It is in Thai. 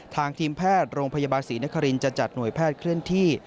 ทางทีมแพทย์โรงพยาบาลศรีนครินจะจัดหน่วยแพทย์เคลื่อนที่